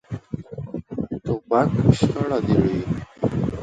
توپک شخړه ډېروي.